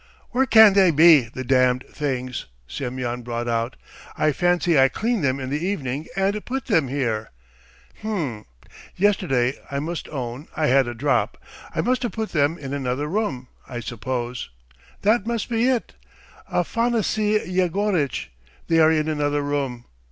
"Where can they be, the damned things?" Semyon brought out. "I fancy I cleaned them in the evening and put them here. ... H'm! ... Yesterday, I must own, I had a drop. ... I must have put them in another room, I suppose. That must be it, Afanasy Yegoritch, they are in another room!